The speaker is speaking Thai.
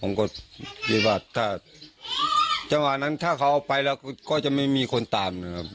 ผมก็คิดว่าถ้าจังหวะนั้นถ้าเขาเอาไปแล้วก็จะไม่มีคนตามนะครับ